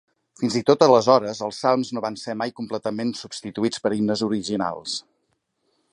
Fins i tot aleshores, els salms no van ser mai completament substituïts per himnes originals.